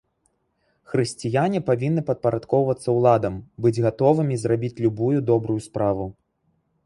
Хрысціяне павінны падпарадкоўвацца ўладам, быць гатовымі зрабіць любую добрую справу.